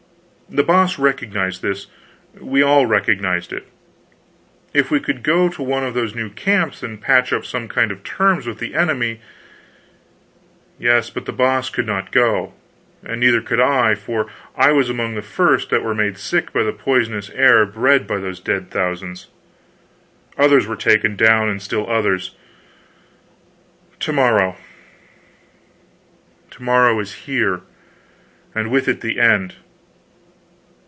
The Boss recognized this; we all recognized it. If we could go to one of those new camps and patch up some kind of terms with the enemy yes, but The Boss could not go, and neither could I, for I was among the first that were made sick by the poisonous air bred by those dead thousands. Others were taken down, and still others. To morrow To morrow. It is here. And with it the end.